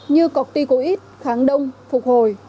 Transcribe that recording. như corticoid kháng đông phục hồi